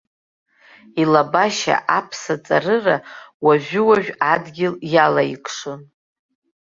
Илабашьа аԥса ҵарыра уажәы-уажә адгьыл иалаикшон.